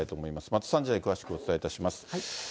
また３時台に詳しくお伝えいたします。